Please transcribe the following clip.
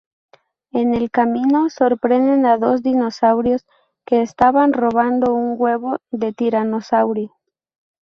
En el camino, sorprenden a dos dinosaurios que estaban robando un huevo de Tiranosaurio.